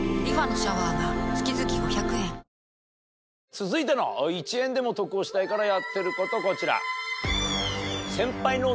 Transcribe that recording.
続いての１円でも得をしたいからやってることこちら。